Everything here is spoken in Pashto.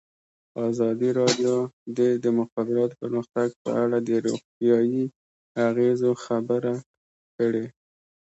ازادي راډیو د د مخابراتو پرمختګ په اړه د روغتیایي اغېزو خبره کړې.